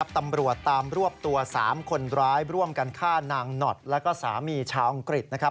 ตำรวจตามรวบตัว๓คนร้ายร่วมกันฆ่านางหนอดแล้วก็สามีชาวอังกฤษ